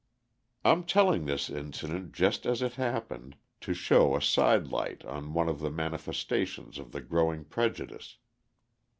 I'm telling this incident just as it happened, to throw a side light on one of the manifestations of the growing prejudice.